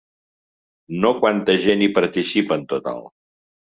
No quanta gent hi participa en total.